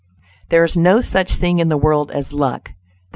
There is no such thing in the world as luck.